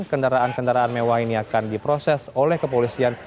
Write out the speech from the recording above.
kendaraan kendaraan mewah ini akan diproses oleh kepolisian